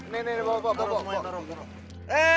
nih nih bawah